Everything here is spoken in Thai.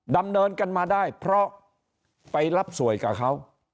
ดำเนินกันมาได้เพราะไปรับสวยกับเขา